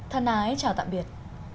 thân ái chào tạm biệt